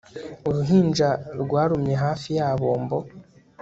Uruhinja rwarumye hafi ya bombo